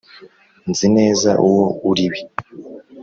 nzi neza uwo uri we.